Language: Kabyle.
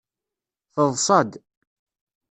Teḍṣa-d.